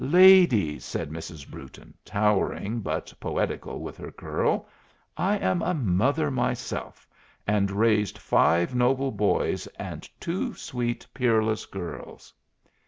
"Ladies," said Mrs. Brewton, towering but poetical with her curl, "I am a mother myself, and raised five noble boys and two sweet peerless girls."